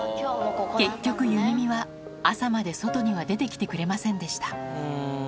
結局ゆめみは朝まで外には出てきてくれませんでした